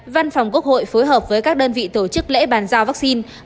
văn phòng quốc hội phối hợp với các đơn vị tổ chức lễ bàn giao vaccine